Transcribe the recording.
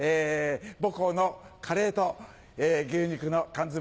母校のカレーと牛肉の缶詰